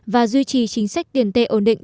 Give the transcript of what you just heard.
và duy trì chính sách tiền tệ ổn định